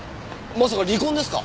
まさか離婚ですか？